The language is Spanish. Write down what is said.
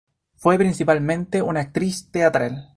Fue principalmente una actriz teatral.